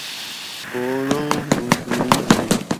柏拉圖全集